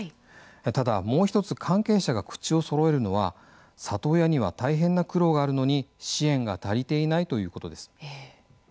ただもう一つ関係者が口をそろえるのは里親には大変な苦労があるのに支援が足りていないということです。